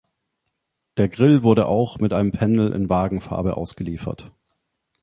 Der Grill wurde auch mit einem Panel in Wagenfarbe ausgeliefert.